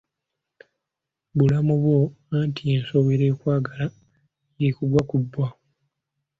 Bulamu bwo anti, ensowera ekwagala y'ekugwa ku bbwa.